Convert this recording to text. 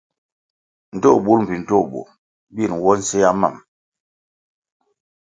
Ndtoh burʼ mbpi ndtoh burʼ bir nwo nsea mam.